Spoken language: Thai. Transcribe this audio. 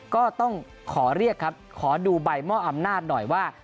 ก็ต้องขอเรียกครับขอดูใบมอบอำนาจหน่อยว่า